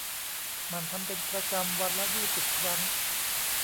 หมั่นทำเป็นประจำวันละ ยี่สิบ ครั้ง